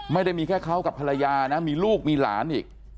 ไม่ได้มีแค่เขากับภรรยานะมีลูกมีหลานอีก